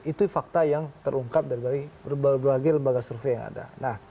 itu fakta yang terungkap dari berbagai lembaga survei yang ada